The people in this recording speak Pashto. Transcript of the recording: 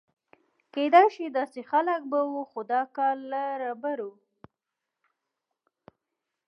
کېدای شي داسې خلک به و، خو دا کار له ربړو.